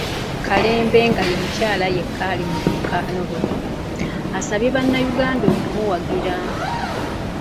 Kalembe nga ye mukyala yekka ali mu lwokaano luno, asabye bannayuganda okumuwagira.